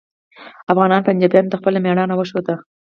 افغانانو پنجابیانو ته خپله میړانه وښوده